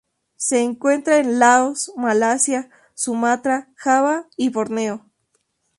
Se encuentra en Laos, Malasia, Sumatra, Java y Borneo.